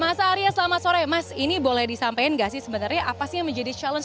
mas arya selamat sore mas ini boleh disampaikan gak sih sebenarnya apa sih yang menjadi challenge